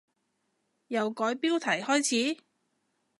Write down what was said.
由改標題開始？